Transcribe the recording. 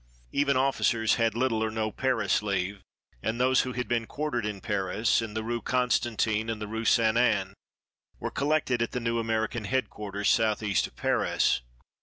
Even officers had little or no Paris leave, and those who had been quartered in Paris, in the Rue Constantine and the Rue Sainte Anne, were collected at the new American headquarters, southeast of Paris.